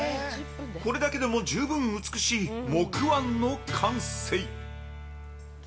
これだけでも十分美しい木椀の完成。